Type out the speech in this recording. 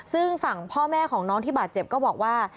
ซึ่งฝั่งพ่อแม่ของน้องที่บาดเจ็บก็บอกว่า